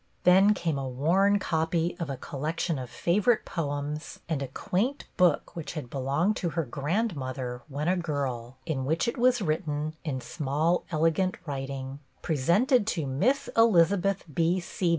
Then came a worn copy of a collection of favorite poems and a quaint book which had belonged to her grandmother AT LAST THE DAY! 49 when a girl, in which was written, in small elegant writing: PRESENTED TO MISS ELIZABETH B.